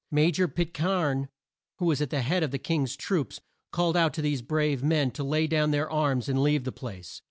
Ma jor Pit cairn who was at the head of the King's troops called out to these brave men to lay down their arms and leave the place.